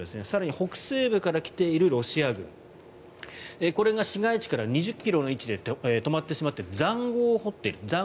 更に北西部から来ているロシア軍これが市街地から２０ｋｍの位置で止まってしまって塹壕を掘っている。